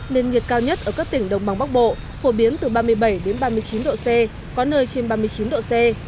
nền nhiệt cao nhất ở các tỉnh đồng bằng bắc bộ phổ biến từ ba mươi bảy ba mươi chín độ c có nơi trên ba mươi chín độ c